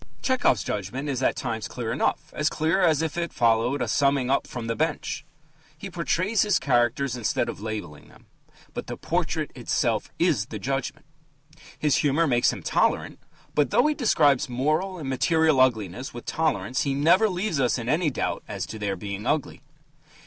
Tchehov's judgment is at times clear enough as clear as if it followed a summing up from the bench. He portrays his characters instead of labelling them; but the portrait itself is the judgment. His humour makes him tolerant, but, though he describes moral and material ugliness with tolerance, he never leaves us in any doubt as to their being ugly.